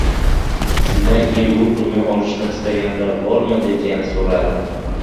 Shundan keyin “Bu pulni olishni istaganlar bormi?” deb yana soʻradi.